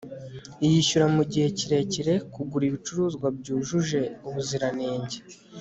yishyura mugihe kirekire kugura ibicuruzwa byujuje ubuziranenge